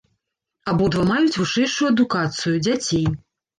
Абодва маюць вышэйшую адукацыю, дзяцей.